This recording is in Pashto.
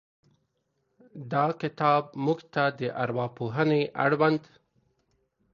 دا کتاب موږ ته د ارواپوهنې اړوند